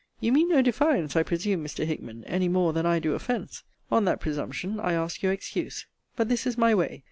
You mean no defiance, I presume, Mr. Hickman, any more than I do offence. On that presumption, I ask your excuse. But this is my way.